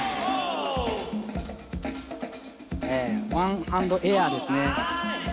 ワンハンドエアーですね。